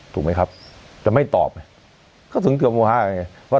ถูกไหมครับแต่ไม่ตอบเขาถึงเตรียมโมหาไง